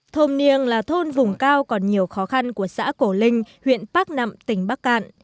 thôn niêng là thôn vùng cao còn nhiều khó khăn của xã cổ linh huyện bắc nậm tỉnh bắc cạn